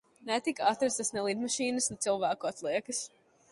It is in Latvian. Netika atrastas ne lidmašīnas ne cilvēku atliekas.